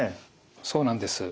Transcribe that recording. そうなんです。